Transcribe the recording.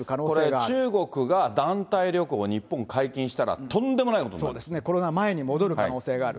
これ、中国が団体旅行、日本、解禁したら、とんでもないことにそうですね、コロナ前に戻る可能性がある。